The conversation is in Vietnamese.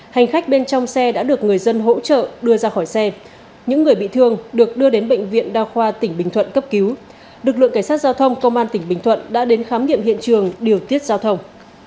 hành khách bên trong xe đã được người dân hỗ trợ đưa ra khỏi xe những người bị thương được đưa đến bệnh viện đa khoa tỉnh bình thuận cấp cứu lực lượng cảnh sát giao thông công an tỉnh bình thuận đã đến khám nghiệm hiện trường điều tiết giao thông